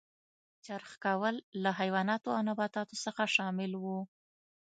چرخ کول له حیواناتو او نباتاتو څخه شامل و.